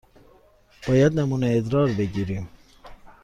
باید نمونه ادرار بگیریم.